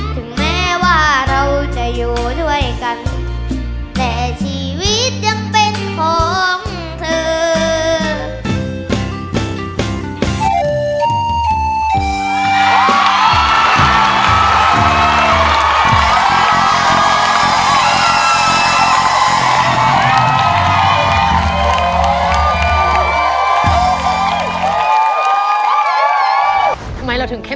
ถึงแม้ว่าเราจะอยู่ด้วยกันแต่ชีวิตยังเป็นของเธอ